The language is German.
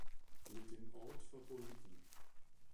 Mit dem Ort verbunden